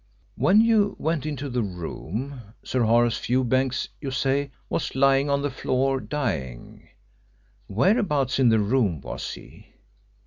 "When you went into the room, Sir Horace Fewbanks, you say, was lying on the floor, dying. Whereabouts in the room was he?"